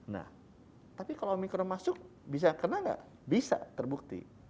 nah tapi kalau omikron masuk bisa kena nggak bisa terbukti